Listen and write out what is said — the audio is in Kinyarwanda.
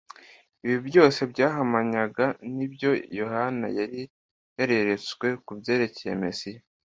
Ibi byose byahamanyaga n'ibyo Yohana yari yareretswe ku byerekeye Mesiya